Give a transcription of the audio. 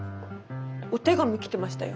お手紙来てましたよ。